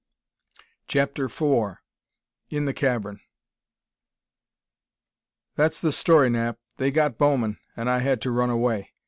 CHAPTER IV In the Cavern "That's the story, Knapp. They got Bowman, and I had to run away.